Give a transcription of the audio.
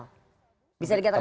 bisa dikatakan seperti itu